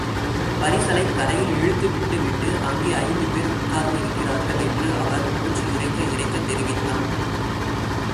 பரிசலைக் கரையில் இழுத்துவிட்டுவிட்டு அங்கே ஐந்துபேர் உட்கார்ந்து இருக்கிறார்கள் என்று அவர் மூச்சு இரைக்க இரைக்கத் தெரிவித்தான்.